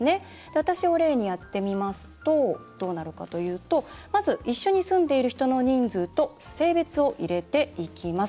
私を例にやってみますとまず一緒に住んでいる人の人数と性別をいれていきます。